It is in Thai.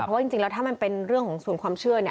เพราะว่าจริงแล้วถ้ามันเป็นเรื่องของส่วนความเชื่อ